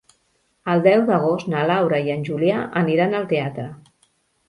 El deu d'agost na Laura i en Julià aniran al teatre.